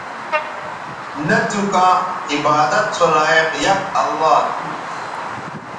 نہ تھو کاں عبادت سو لائق یک اللہ تھو